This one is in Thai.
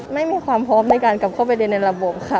ไม่มีความพร้อมในการกลับเข้าไปเรียนในระบบค่ะ